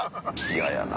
嫌やな。